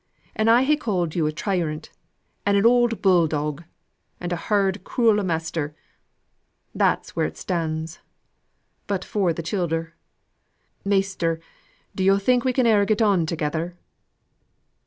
An', I ha' called you a tyrant, an' an oud bull dog, and a hard, cruel master; that's where it stands. But for th' childer, Measter, do yo' think we can e'er get on together?"